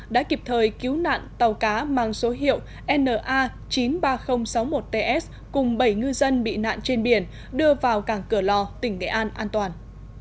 đã kịp thời cứu nạn tàu cá mang số hiệu na chín mươi ba nghìn sáu mươi một ts cùng bảy ngư dân bị nạn trên biển đưa vào cảng cửa lò tỉnh nghệ an an toàn